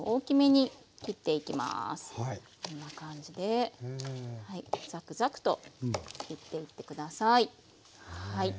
こんな感じでザクザクと切っていって下さい。